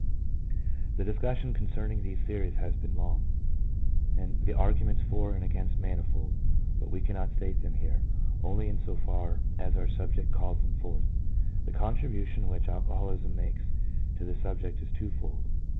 The discussion concerning these theories has been long, and the arguments for and against manifold, but we cannot state them here, only in so far as our subject calls them forth. The contribution which alcoholism makes to the subject is twofold.